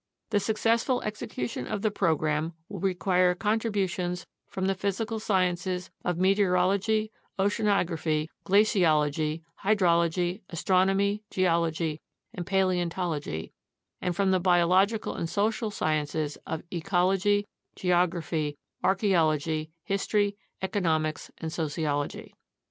The successful execution of the program will require contributions from the physical sciences of meteorology, oceanography, glaciology, hydrology, astronomy, geology, and paleontol ogy and from the biological and social sciences of ecology, geography, archeology, history, economics, and sociology.